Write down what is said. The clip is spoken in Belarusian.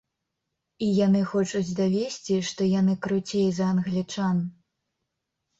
І яны хочуць давесці, што яны круцей за англічан.